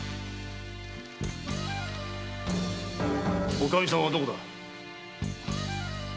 おかみさんはどこだ？